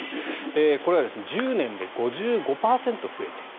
これは１０年で５５％増えている。